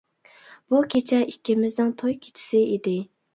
بۇ كېچە ئىككىمىزنىڭ توي كېچىسى ئىدى.